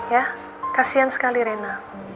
ya kasian sekali rena